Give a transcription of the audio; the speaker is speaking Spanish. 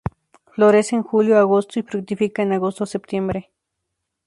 Florece en julio-agosto y fructifica en Agosto-septiembre.